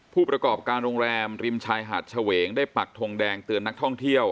ผู้ประกอบการโรงแรมริมชายหาดเฉวงได้ปักทงแดงเตือนนักท่องเที่ยว